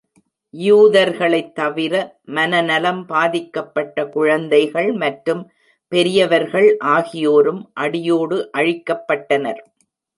யூதர்களைத் தவிர, மனநலம் பாதிக்கப்பட்ட குழந்தைகள் மற்றும் பெரியவர்கள் ஆகியோரும் அடியோடு அழிக்கப்பட்டனர்.